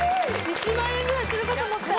１万円ぐらいするかと思った！